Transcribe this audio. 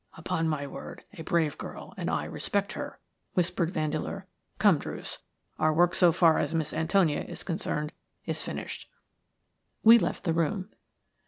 "Upon my word, a brave girl, and I respect her," whispered Vandeleur. "Come, Druce, our work so far as Miss Antonia is concerned is finished." We left the room.